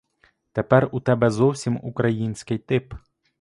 Тепер у тебе зовсім український тип.